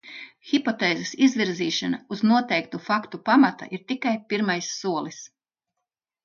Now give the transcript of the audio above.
Hipotēzes izvirzīšana uz noteiktu faktu pamata ir tikai pirmais solis.